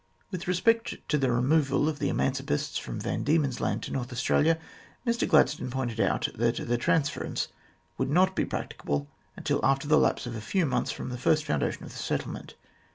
With respect to the removal of emancipists from Van Diemen's Land to North Australia, Mr Gladstone pointed out that the transference would not be practicable until after the lapse of a few months from the first foundation of the settlement.